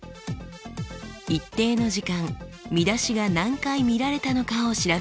一定の時間見出しが何回見られたのかを調べます。